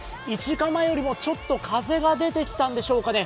１時間前よりもちょっと風が出てきたんでしょうかね。